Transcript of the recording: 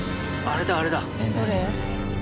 あれだあれだ。